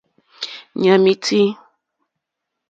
Ɲàm í tí.